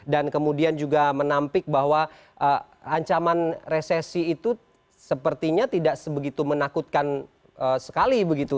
dan kemudian juga menampik bahwa ancaman resesi itu sepertinya tidak sebegitu menakutkan sekali begitu